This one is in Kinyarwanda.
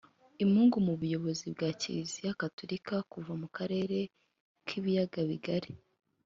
imungu mu buyobozi bwa kiliziya gatulika kuva mu karere k’ibiyaga bigari